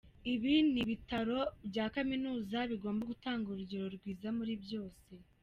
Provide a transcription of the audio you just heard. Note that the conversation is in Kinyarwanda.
Ibi ni ibitaro bya kaminuza, bigomba gutanga urugero rwiza muri byose.